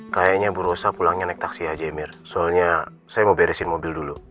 kayaknya bu rosa pulangnya naik taksi aja mir soalnya saya mau beresin mobil dulu